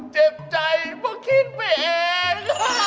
เจ็บใจเพราะคิดไปเอง